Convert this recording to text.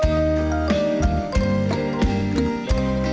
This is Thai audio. เสียงรัก